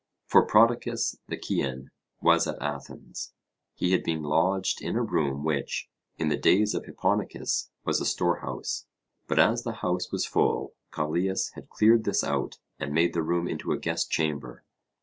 for Prodicus the Cean was at Athens: he had been lodged in a room which, in the days of Hipponicus, was a storehouse; but, as the house was full, Callias had cleared this out and made the room into a guest chamber.